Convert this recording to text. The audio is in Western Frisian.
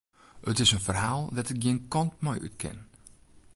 It is in ferhaal dêr't ik gjin kant mei út kin.